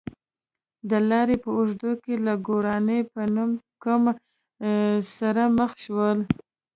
د لارې په اوږدو کې له ګوراني په نوم قوم سره مخ شول.